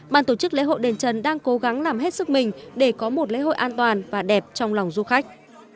ban tổ chức lễ hội đền trần đang cố gắng làm hết sức mình để có một lễ hội an toàn và đẹp trong lòng du khách